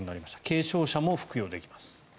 軽症者も服用できます。